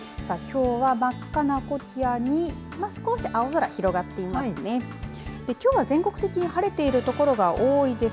きょうは真っ赤なコキアに少し青空が広がっています。